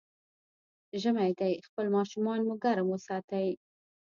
ژمی دی، خپل ماشومان مو ګرم وساتئ.